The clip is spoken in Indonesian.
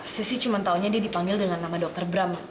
saya sih cuma tahunya dia dipanggil dengan nama dr bram